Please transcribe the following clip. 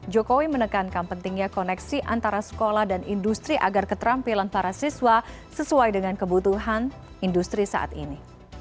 jokowi menekankan pentingnya koneksi antara sekolah dan industri agar keterampilan para siswa sesuai dengan kebutuhan industri saat ini